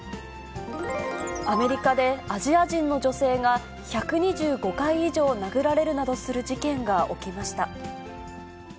アメリカで、アジア人の女性が１２５回以上殴られるなどする事件が起きました。